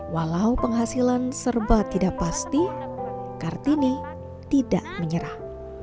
walau penghasilan serba tidak pasti kartini tidak menyerah